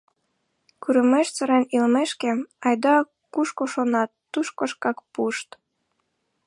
— Курымеш сырен илымешке, айда кушко шонат, тушко шкак пуышт.